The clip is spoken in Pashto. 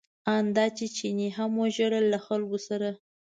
ان دا چې چیني هم وژړل له خلکو سره.